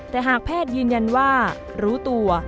แต่หากแพทย์ยืนยันว่ารู้ตัว